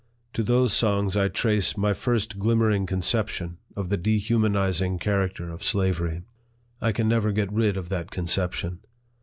To those songs I trace my first glimmering conception of the dehumanizing character of slavery. I can never get rid of that conception.